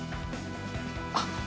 あっ！